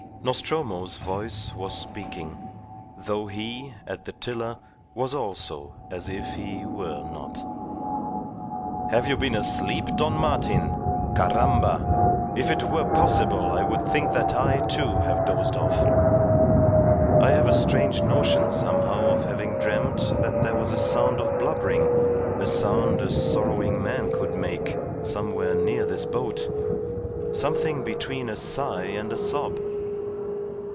Nostromo's voice was speaking, though he, at the tiller, was also as if he were not. "Have you been asleep, Don Martin? Caramba! If it were possible I would think that I, too, have dozed off. I have a strange notion somehow of having dreamt that there was a sound of blubbering, a sound a sorrowing man could make, somewhere near this boat. Something between a sigh and a sob."